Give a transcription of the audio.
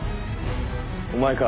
お前か？